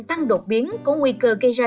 tăng đột biến có nguy cơ gây ra